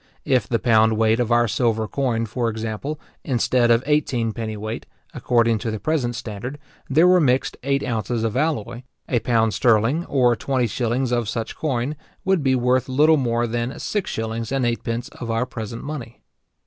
If in the pound weight of our silver coin, for example, instead of eighteen penny weight, according to the present standard, there were mixed eight ounces of alloy; a pound sterling, or twenty shillings of such coin, would be worth little more than six shillings and eightpence of our present money.